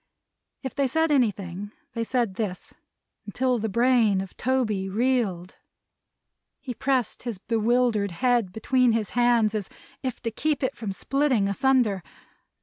If they said anything they said this, until the brain of Toby reeled. He pressed his bewildered head between his hands as if to keep it from splitting asunder.